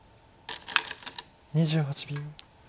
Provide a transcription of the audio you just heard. ２８秒。